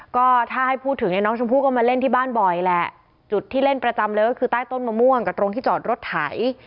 ก็ถ้าให้พูดถึงเนี่ยน้องชมพู่ก็มาเล่นที่บ้านบ่อยแหละจุดที่เล่นประจำเลยก็คือใต้ต้นมะม่วงกับตรงที่จอดรถไถ